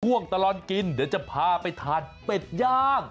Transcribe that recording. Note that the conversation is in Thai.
ช่วงตลอดกินเดี๋ยวจะพาไปทานเป็ดย่าง